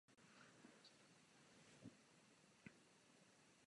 Významně se též podílel na budování hudební scény na Novém Zélandu.